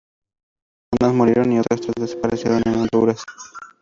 Al menos tres personas murieron y otras tres desaparecieron en Honduras.